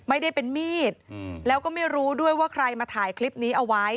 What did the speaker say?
ไม่ได้เป็นมีดแล้วก็ไม่รู้ด้วยว่าใครมาถ่ายคลิปนี้เอาไว้